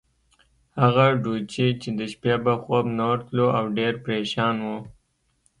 هغه ډوچي چې د شپې به خوب نه ورتلو، او ډېر پرېشان وو.